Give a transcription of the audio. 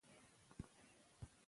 ښه نیت د هر کار د بریالیتوب کیلي ده.